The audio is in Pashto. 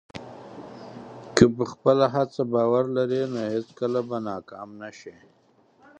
که په خپله هڅه باور لرې، نو هېڅکله به ناکام نه شې.